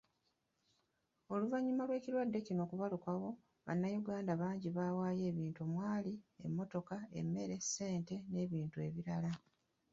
Oluvannyuma lw'ekirwadde kino okubalukawo, Bannayuganda bangi baawaayo ebintu omwali; emmotoka, emmere, ssente n'ebintu ebirala